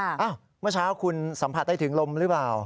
เมื่อเช้าคุณสัมผัสได้ถึงลมหรือเปล่า